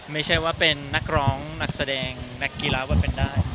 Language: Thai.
ไม่ใช่ว่าเป็นนักร้องนักแสดงนักกีฬาว่าเป็นได้